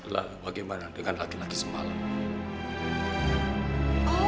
lah bagaimana dengan laki laki semalam